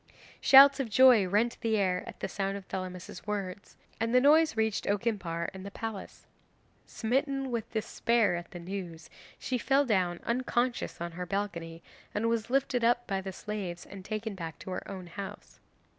'Shouts of joy rent the air at the sound of Thelamis's words, and the noise reached Okimpare in the palace. Smitten with despair at the news, she fell down unconscious on her balcony, and was lifted up by the slaves and taken back to her own house.